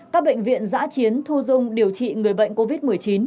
các bệnh viện giã chiến thu dung điều trị người bệnh covid một mươi chín